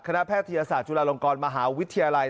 แพทยศาสตร์จุฬาลงกรมหาวิทยาลัย